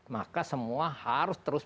maka semua harus terus